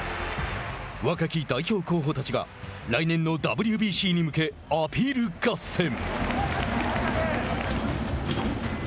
若き代表候補たちが来年のＷＢＣに向けアピール合戦。